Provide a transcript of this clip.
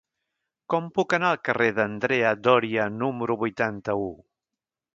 Com puc anar al carrer d'Andrea Doria número vuitanta-u?